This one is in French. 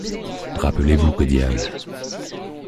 Rappelez-vous, que diable!